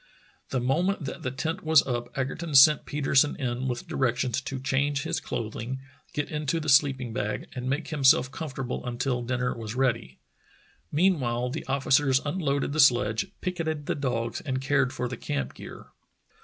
The moment that the tent was up Egerton sent Peter sen in with directions to change his clothing, get into the sleeping bag, and make himself comfortable until dinner was ready. Meanwhile the officers unloaded the sledge, picketed the dogs, and cared for the camp gear.